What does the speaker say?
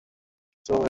চলো, মেইরন!